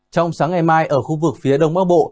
trong sáng ngày mai ở khu vực phía đông bắc bộ